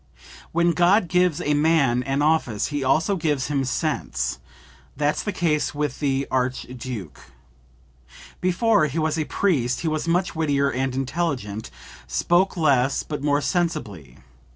"When God gives a man an office he also gives him sense; that's the case with the Archduke. Before he was a priest he was much wittier and intelligent; spoke less but more sensibly.